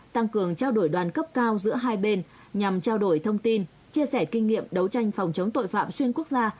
tăng cường trao đổi đoàn cấp cao giữa hai bên nhằm trao đổi thông tin chia sẻ kinh nghiệm đấu tranh phòng chống tội phạm xuyên quốc gia